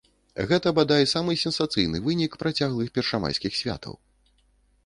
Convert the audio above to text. Гэта, бадай, самы сенсацыйны вынік працяглых першамайскіх святаў.